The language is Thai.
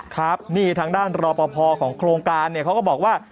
ครับนี่ทางด้านรอปภของโครงการเนี่ยเขาก็บอกว่า